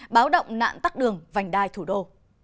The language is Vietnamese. báo động nạn tắt đường vành đai thủ đô